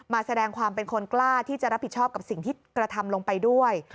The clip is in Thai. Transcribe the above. มาแสดงความเป็นคนกล้าที่จะรับผิดชอบกับสิ่งที่กระทำลงไปด้วย